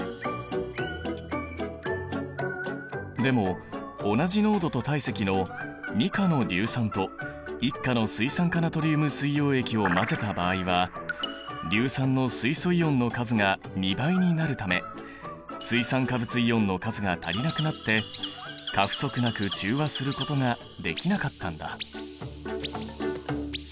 でも同じ濃度と体積の２価の硫酸と１価の水酸化ナトリウム水溶液を混ぜた場合は硫酸の水素イオンの数が２倍になるため水酸化物イオンの数が足りなくなって過不足なく中和することができなかったんだ。